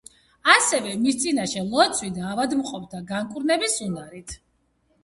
ასევე მის წინაშე ლოცვით ავადმყოფთა განკურნების უნარით.